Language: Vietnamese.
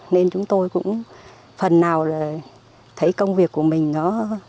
nên chúng tôi cũng phần nào thấy công việc của mình nó